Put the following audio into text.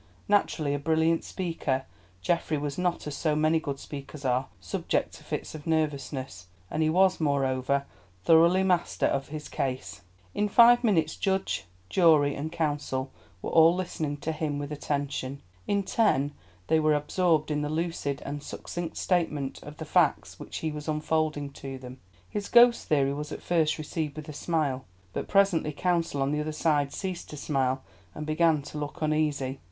Naturally a brilliant speaker, Geoffrey was not, as so many good speakers are, subject to fits of nervousness, and he was, moreover, thoroughly master of his case. In five minutes judge, jury and counsel were all listening to him with attention; in ten they were absorbed in the lucid and succinct statement of the facts which he was unfolding to them. His ghost theory was at first received with a smile, but presently counsel on the other side ceased to smile, and began to look uneasy.